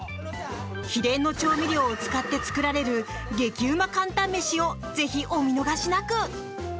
秘伝の調味料を使って作られる激うま簡単飯をぜひ、お見逃しなく。